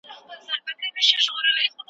پرشتي انسان ته په سجده پریوتې.